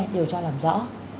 điều trao làm rõ